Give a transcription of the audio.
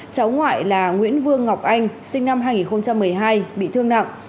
cháu ngoại là nguyễn vương ngọc anh sinh năm hai nghìn một mươi hai bị thương nặng